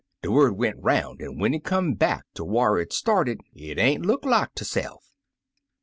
De word went 'roun' an' when it come back ter whar it started, it ain't look like itse'f.